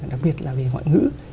đặc biệt là về ngoại ngữ